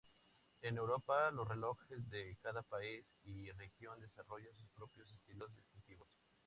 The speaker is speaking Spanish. En Europa, los relojeros de cada país y región desarrollaron sus propios estilos distintivos.